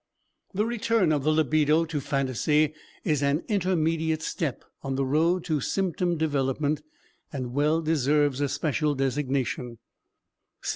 The return of the libido to phantasy is an intermediate step on the road to symptom development and well deserves a special designation.